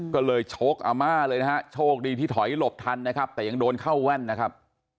ก็เลยชกอาม่าเลยนะฮะโชคดีที่ถอยหลบทันนะครับแต่ยังโดนเข้าแว่นนะครับ